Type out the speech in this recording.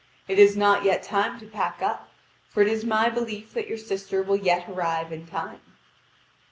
It is not yet time to pack up, for it is my belief that your sister will yet arrive in time."